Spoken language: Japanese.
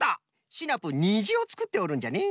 シナプーにじをつくっておるんじゃね。